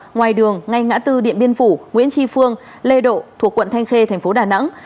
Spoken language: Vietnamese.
ngoài đường ngay ngã tư điện biên phủ nguyễn tri phương lê độ thuộc quận thanh khê thành phố đà nẵng